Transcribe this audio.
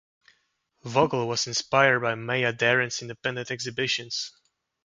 Vogel was inspired by Maya Deren's independent exhibitions.